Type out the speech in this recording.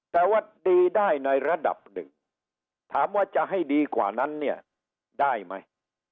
แต่ว่าดีได้ในระดับหนึ่งถามว่าจะให้ดีกว่านั้นเนี่ยได้ไหม